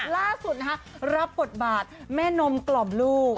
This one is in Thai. ล่าสุดนะคะรับบทบาทแม่นมกล่อมลูก